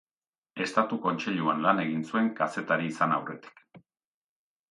Estatu Kontseiluan lan egin zuen kazetari izan aurretik.